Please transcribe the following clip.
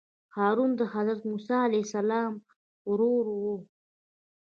هارون د حضرت موسی علیه السلام ورور وو.